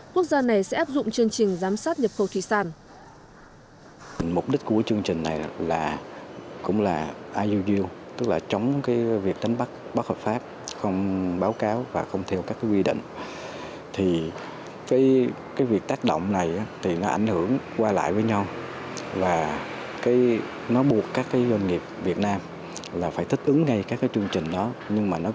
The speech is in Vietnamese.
quốc gia này sẽ áp dụng chương trình giám sát nhập khẩu cá ngừ việt nam